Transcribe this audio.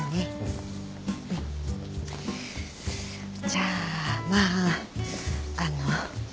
じゃあまああのう。